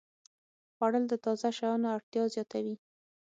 خوړل د تازه شیانو اړتیا زیاتوي